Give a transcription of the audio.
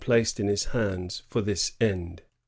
placed in his hands for this end.